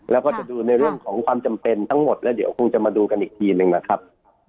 แล้วก็จะดูในเรื่องของความจำเป็นทั้งหมดแล้วเดี๋ยวคงจะมาดูกันอีกทีหนึ่งนะครับ